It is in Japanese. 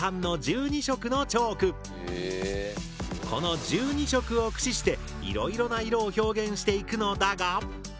この１２色を駆使していろいろな色を表現していくのだが。